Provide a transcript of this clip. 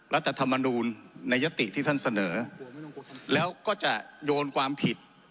รัฐธรรมนูลในยติที่ท่านเสนอแล้วก็จะโยนความผิด